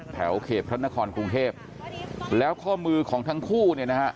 แถวเขตพระนครกรุงเทพแล้วข้อมือของทั้งคู่เนี่ยนะฮะ